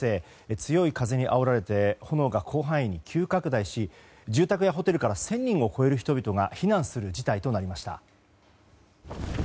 強い風にあおられて炎が広範囲に急拡大し住宅やホテルから１０００人を超える人々が避難する事態となりました。